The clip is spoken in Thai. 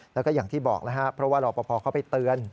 แล้วก็อย่างที่บอกแล้วครับเพราะว่ารอปภเขาไปเตือน